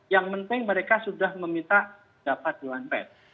yang penting mereka sudah meminta dapat dewan pers